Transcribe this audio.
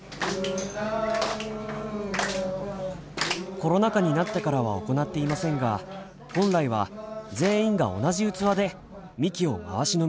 コロナ禍になってからは行っていませんが本来は全員が同じ器でみきを回し飲みします。